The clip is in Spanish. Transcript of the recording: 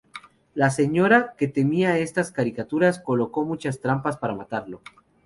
La señora, que temía de estas criaturas, colocó muchas trampas para matarlo.